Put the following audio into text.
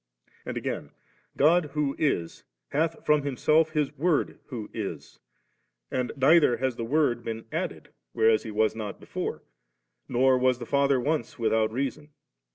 And again, God who is^ hath from Himself His Word who also is; and neither hath the Word been added, whereas He was not before, nor was the Father once without Reason.